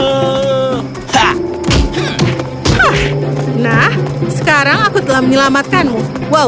hahaha nah sekarang aku telah menyelamatkanmu